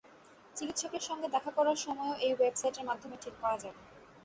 চিকিৎসকের সঙ্গে দেখা করার সময়ও এই ওয়েবসাইটের মাধ্যমে ঠিক করা যাবে।